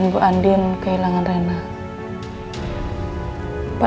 jadi reina itu